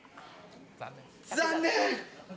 残念！